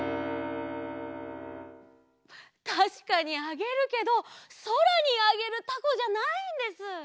たしかにあげるけどそらにあげるたこじゃないんです。